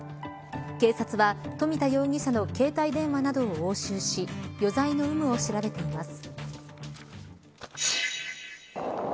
警察は富田容疑者の携帯電話などを押収し余罪の有無を調べています。